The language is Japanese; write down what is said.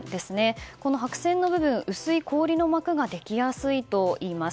この白線の部分、薄い氷の膜ができやすいといいます。